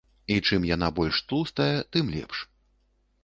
І чым яна больш тлустая, тым лепш.